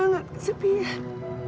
aku sangat kesepian